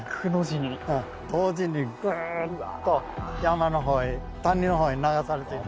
同時にぐっと山の方へ谷の方へ流されていった。